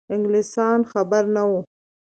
انګلیسیان خبر نه وه.